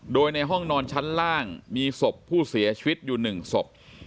โดยในห้องนอนชั้นล่างมีศพผู้เสียชีวิตอยู่๑ศพ